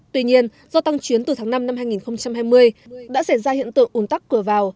tuy nhiên do tăng chuyến từ tháng năm năm hai nghìn hai mươi đã xảy ra hiện tượng ủn tắc cửa vào